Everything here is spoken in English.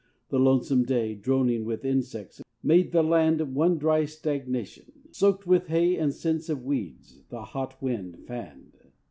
The lonesome day, Droning with insects, made the land One dry stagnation; soaked with hay And scents of weeds, the hot wind fanned.